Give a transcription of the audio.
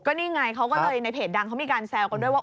นี่ไงเขาก็เลยในเพจดังเขามีการแซวกันด้วยว่า